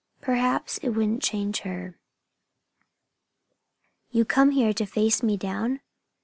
Perhaps it wouldn't change her." "You come here to face me down?"